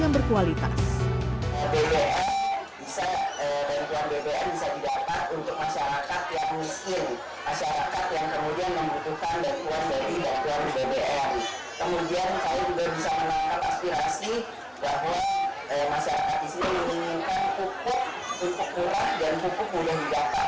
ini saya berharap